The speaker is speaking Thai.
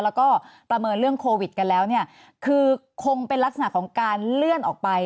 แล้วก็ประเมินเรื่องโควิดกันแล้วเนี่ยคือคงเป็นลักษณะของการเลื่อนออกไป